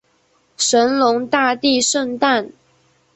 神农大帝圣诞